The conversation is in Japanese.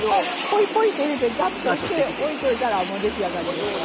ぽいぽいと入れてジャッとして置いといたらもう出来上がりですわ。